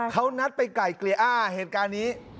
เขานัดไปไก่เกลี่ยอ้าเหตุการณ์นี้